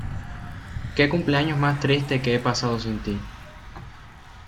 Qué cumpleaños más triste que he pasado sin ti.